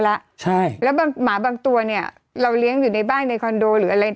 แล้วใช่แล้วบางหมาบางตัวเนี่ยเราเลี้ยงอยู่ในบ้านในคอนโดหรืออะไร